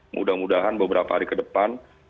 mudah mudahan beberapa hari ke depan